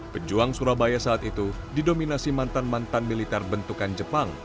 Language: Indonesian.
pejuang surabaya saat itu didominasi mantan mantan militer bentukan jepang